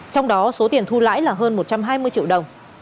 trong đó số tiền thu lãi là hơn một trăm hai mươi triệu đồng